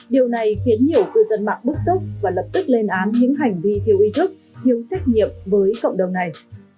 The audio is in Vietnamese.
điều này khiến nhiều cư dân mạng bức xúc và lập tức lên án những hành vi thiếu ý thức thiếu trách nhiệm với cộng đồng này